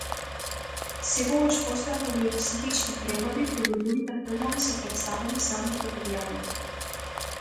Секогаш постојат овие психички преводи, кои во другите филмови се претставени само преку дијалогот.